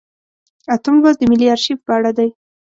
اتم لوست د ملي ارشیف په اړه دی.